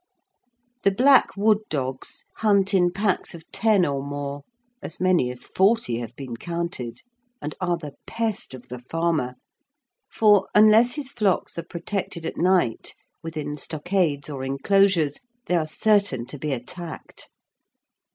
The black wood dogs hunt in packs of ten or more (as many as forty have been counted), and are the pest of the farmer, for, unless his flocks are protected at night within stockades or enclosures, they are certain to be attacked.